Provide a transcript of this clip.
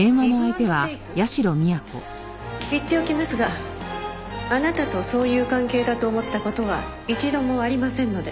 言っておきますがあなたとそういう関係だと思った事は一度もありませんので。